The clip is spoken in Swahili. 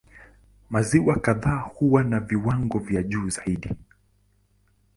Maziwa kadhaa huwa na viwango vya juu zaidi.